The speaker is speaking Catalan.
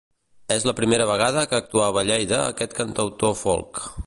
És la primera vegada que actuava a Lleida aquest cantautor folk.